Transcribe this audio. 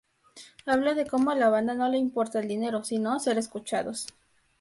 Habla de como a la banda no le importa el dinero, sino ser escuchados.